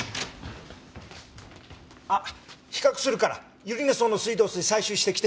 あっ比較するから百合根荘の水道水採取してきて。